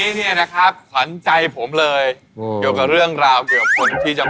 เนี่ยนะครับขวัญใจผมเลยเกี่ยวกับเรื่องราวเกี่ยวกับคนที่จะมา